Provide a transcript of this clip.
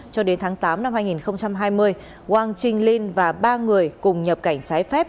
cho đến tháng tám năm hai nghìn hai mươi wang qinglin và ba người cùng nhập cảnh trái phép